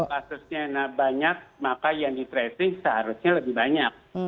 kalau kasusnya banyak maka yang di tracing seharusnya lebih banyak